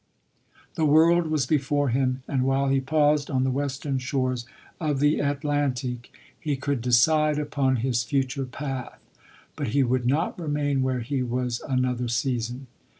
The world was before him : and while he paused on the western shores of the G4< LODORE. Atlantic, he could decide upon his future path. But he would not remain where he was another season.